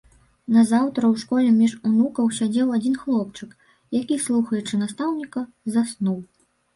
Назаўтра ў школе між унукаў сядзеў адзін хлопчык, які, слухаючы настаўніка, заснуў.